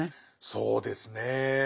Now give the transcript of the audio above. そうですね。